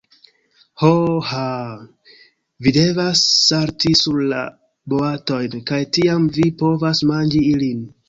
Ho. Haaaa, vi devas salti sur la boatojn, kaj tiam vi povas manĝi ilin.